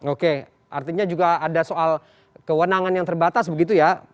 oke artinya juga ada soal kewenangan yang terbatas begitu ya